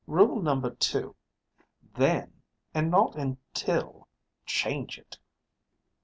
Rule number two: then, and not until, change it."